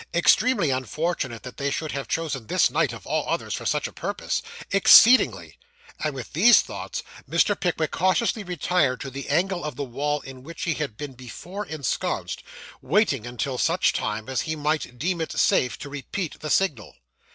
Extremely unfortunate, that they should have chosen this night, of all others, for such a purpose exceedingly.' And with these thoughts, Mr. Pickwick cautiously retired to the angle of the wall in which he had been before ensconced; waiting until such time as he might deem it safe to repeat the signal.